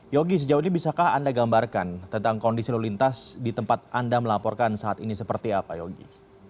yogi sejauh ini bisakah anda gambarkan tentang kondisi lulintas di tempat anda melaporkan saat ini seperti apa yogi